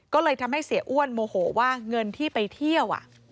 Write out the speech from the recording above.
ก็เลยทำให้เสียอ้วนโมโหว่าเงินที่ไปเที่ยว